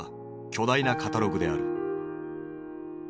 巨大なカタログである。